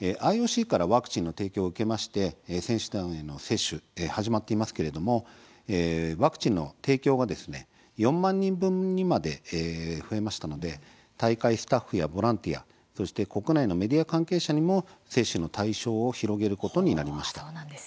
日本もＩＯＣからワクチンの提供を受けまして選手団への接種が始まっていますがワクチンの提供が４万人分にまで増えましたので大会スタッフやボランティアそして国内のメディア関係者にも接種の対象を広げることになりました。